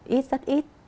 ít rất ít